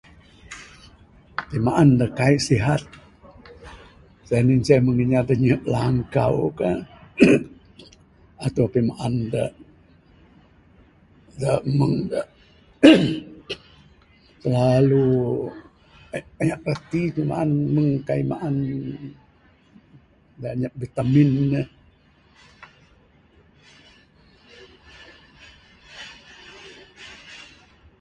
Pimaan dak kai sihat, sien inceh meng inya dak nyihep langkau kah atau pimaan dak meng dak silalu anyap rati ne maan meng kai maan dak anyap vitamin ne